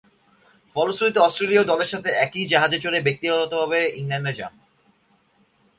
ফলশ্রুতিতে অস্ট্রেলীয় দলের সাথে একই জাহাজে চড়ে ব্যক্তিগতভাবে ইংল্যান্ডে যান।